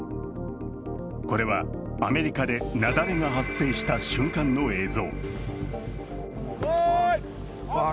これはアメリカで雪崩が発生した瞬間の映像。